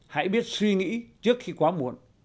hãy biết suy nghĩ trước khi quá muộn